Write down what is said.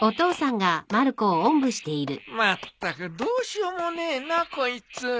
まったくどうしようもねえなこいつ。